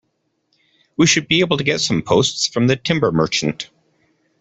We should be able to get some posts from the timber merchant